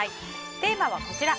テーマはこちら。